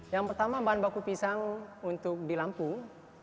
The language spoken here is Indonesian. yang pertama bahan baku pisang untuk di lampung